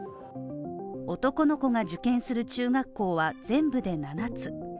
男の子が受験する中学校は全部で７つ。